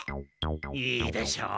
いいでしょう。